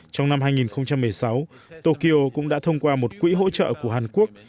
trong năm hai nghìn một mươi sáu tokyo cũng đã thông qua một quỹ hỗ trợ của hàn quốc